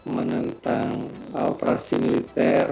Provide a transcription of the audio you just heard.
menentang operasi militer